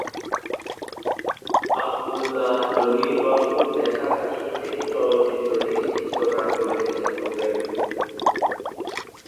আবদুল্লাহ জহির বাবুর লেখা কাহিনী থেকে চলচ্চিত্রটির চিত্রনাট্য লিখেছেন রুবেল।